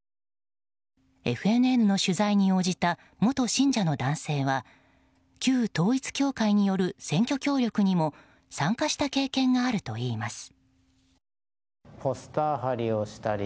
ＦＮＮの取材に応じた元信者の男性は旧統一教会による選挙協力にも参加した経験があるといいます。